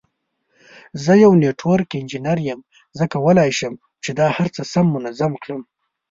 زه یو نټورک انجینیر یم، زه کولای شم چې دا هر څه سم منظم کړم.